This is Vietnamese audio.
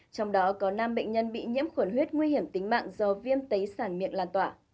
trong đó có năm bệnh nhân bị nhiễm khuẩn huyết nguy hiểm tính mạng do viêm tấy sản miệng lan tỏa